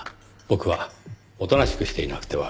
僕はおとなしくしていなくては。